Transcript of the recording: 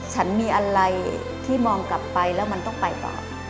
ฉันมีอะไรที่มองกลับไปแล้วมันต้องไปต่อ